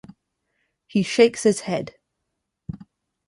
He shakes his head.